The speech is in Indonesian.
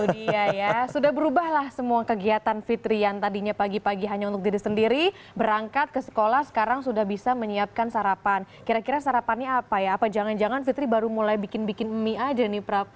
dia ya sudah berubahlah semua kegiatan fitri yang tadinya pagi pagi hanya untuk diri sendiri berangkat ke sekolah sekarang sudah bisa menyiapkan sarapan kira kira sarapannya apa ya apa jangan jangan fitri baru mulai bikin bikin mie aja nih prab